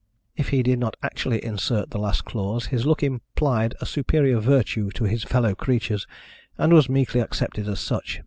If he did not actually insert the last clause his look implied a superior virtue to his fellow creatures, and was meekly accepted as such.